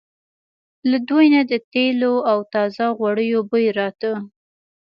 له دوی نه د تېلو او تازه غوړیو بوی راته.